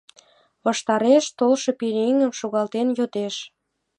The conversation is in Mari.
Ваштареш толшо пӧръеҥым шогалтен йодеш: